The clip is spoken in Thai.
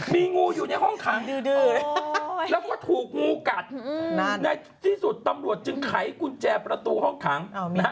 มีงูอยู่ในห้องขังแล้วก็ถูกงูกัดในที่สุดตำรวจจึงไขกุญแจประตูห้องขัง